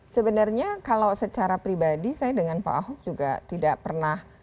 sebenarnya kalau secara pribadi saya dengan pak ahok juga tidak pernah